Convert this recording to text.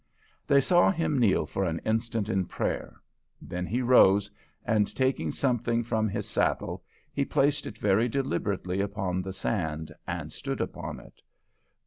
They saw him kneel for an instant in prayer. Then he rose, and taking something from his saddle he placed it very deliberately upon the sand and stood upon it.